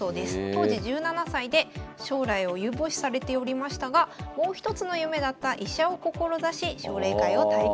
当時１７歳で将来を有望視されておりましたがもう一つの夢だった医者を志し奨励会を退会しました。